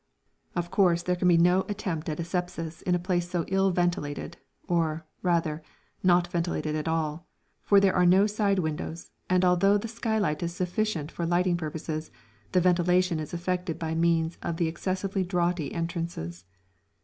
Of course there can be no attempt at asepsis in a place so ill ventilated, or, rather, not ventilated at all, for there are no side windows, and, although the skylight is sufficient for lighting purposes, the ventilation is effected by means of the excessively draughty entrances.